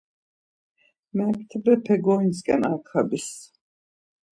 Mektebepe gointzǩen Arkabis.